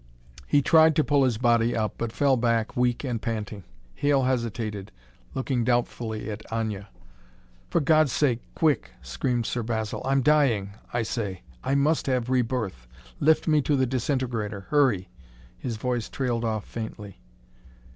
He tried to pull his body up, but fell back, weak and panting. Hale hesitated, looking doubtfully at Aña. "For God's sake, quick!" screamed Sir Basil. "I'm dying, I say! I must have rebirth. Lift me to the disintegrator. Hurry!..." His voice trailed off faintly.